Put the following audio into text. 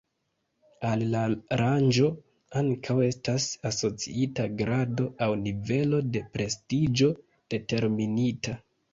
Al la rango ankaŭ estas asociita grado aŭ nivelo de prestiĝo determinita.